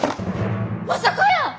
まさかやー！